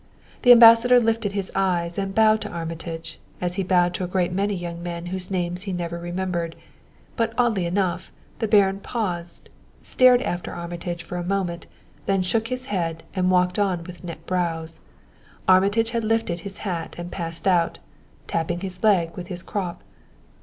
The Ambassador lifted his eyes and bowed to Armitage, as he bowed to a great many young men whose names he never remembered; but, oddly enough, the Baron paused, stared after Armitage for a moment, then shook his head and walked on with knit brows. Armitage had lifted his hat and passed out, tapping his leg with his crop.